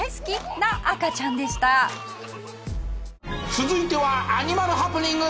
続いてはアニマルハプニング